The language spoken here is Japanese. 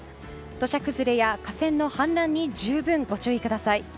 土砂崩れや河川の氾濫に十分ご注意ください。